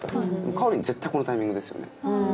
かおりん絶対このタイミングですよね。